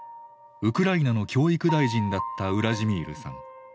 ウクライナの教育大臣だったウラジミールさん。